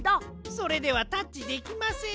それではタッチできません。